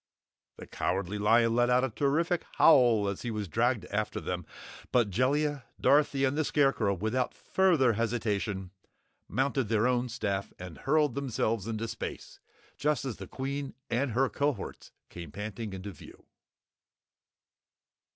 The Cowardly Lion let out a terrified howl as he was dragged after them, but Jellia, Dorothy and the Scarecrow, without further hesitation, mounted their own staff and hurled themselves into space, just as the Queen and her cohorts came panting into view.